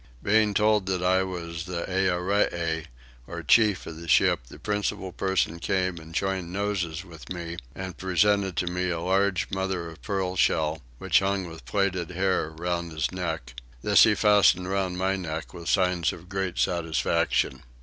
Being told that I was the Earee or chief of the ship the principal person came and joined noses with me, and presented to me a large mother of pearl shell, which hung with plaited hair round his neck; this he fastened round my neck with signs of great satisfaction.